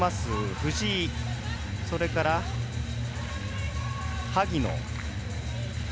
藤井、それから萩野。